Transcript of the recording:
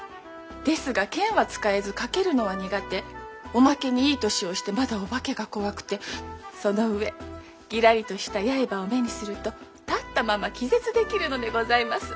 ですが剣は使えず駆けるのは苦手おまけにいい年をしてまだお化けが怖くてそのうえぎらりとした刃を目にすると立ったまま気絶できるのでございます。